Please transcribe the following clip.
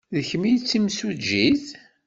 D kemm ay d timsujjit.